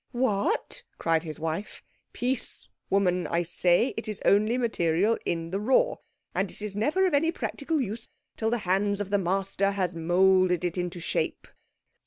"What?" cried his wife. "Peace, woman. I say it is only material in the raw. And it is never of any practical use till the hand of the master has moulded it into shape."